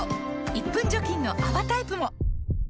１分除菌の泡タイプも！